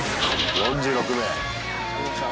４６名。